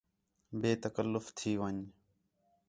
بے تکلف تھی ون٘ڄ